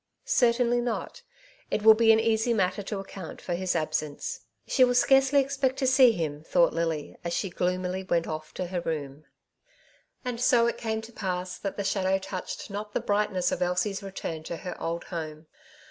''^' Cert^ainly not. It will be an easy matter to account for his absence." She will scarcely expect to see him, thought Lily, as she gloomily went off to her room. And so it came to pass that the shadow touched not the brightness of Elsie's return to her old home.